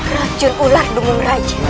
racun ular dungung raja